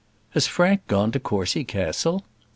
"Has Frank gone to Courcy Castle?"